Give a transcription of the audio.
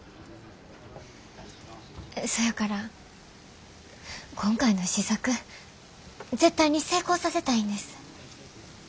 そやから今回の試作絶対に成功させたいんです。